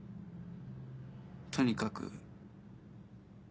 とにかく。